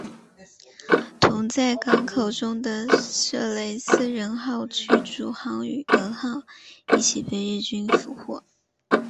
同在港口中的色雷斯人号驱逐舰与蛾号一起被日军俘获。